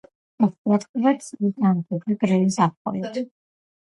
ხასიათდება ცივი ზამთრით და გრილი ზაფხულით.